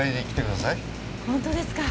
本当ですか？